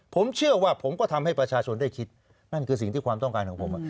ผมเชื่อว่าผมก็ทำให้ประชาชนได้คิดนั่นคือสิ่งที่ความต้องการของผม